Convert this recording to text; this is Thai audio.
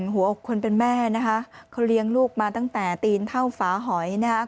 หัวอกคนเป็นแม่นะคะเขาเลี้ยงลูกมาตั้งแต่ตีนเท่าฝาหอยนะครับ